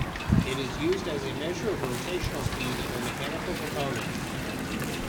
It is used as a measure of rotational speed of a mechanical component.